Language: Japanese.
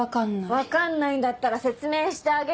分かんないんだったら説明してあげるわよ。